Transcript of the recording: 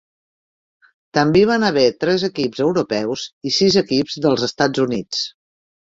També hi van haver tres equips europeus i sis equips dels Estats Units.